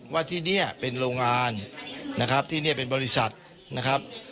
ว่าที่นี่เป็นโรงงานนะครับที่นี่เป็นบริษัทนะครับ